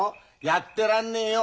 やってらんねえよ。